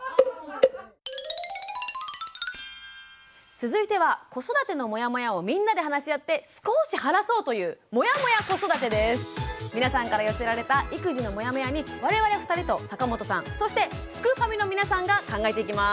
続いては子育てのモヤモヤをみんなで話し合って少し晴らそうという皆さんから寄せられた育児のモヤモヤに我々２人と坂本さんそしてすくファミの皆さんが考えていきます。